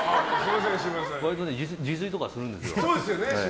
割と自炊とかするんですよ。